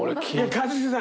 一茂さん